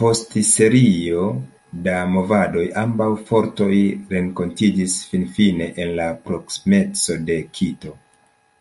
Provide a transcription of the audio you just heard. Post serio da movadoj, ambaŭ fortoj renkontiĝis finfine en la proksimeco de Kito.